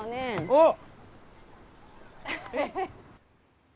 おっ！